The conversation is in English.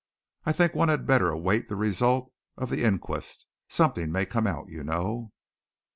I think one had better await the result of the inquest. Something may come out, you know."